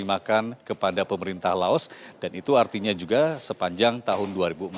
diberikan kepada pemerintah laos dan itu artinya juga sepanjang tahun dua ribu empat belas